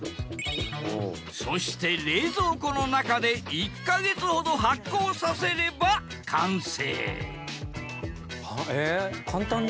そして冷蔵庫の中で１か月ほど発酵させれば完成え簡単だね。